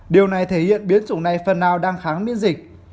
điều này thể hiện biến chủng này phần nào đang kháng miễn dịch